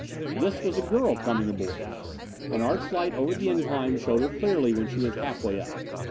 This was a girl coming aboard. An arch light over the incline showed her clearly when she was half way up.